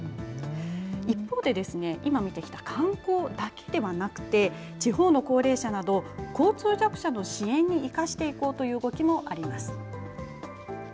一方で、今見てきた観光だけではなくて、地方の高齢者など、交通弱者の支援に生かしていこうという動きもあります。